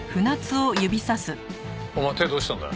お前手どうしたんだよ？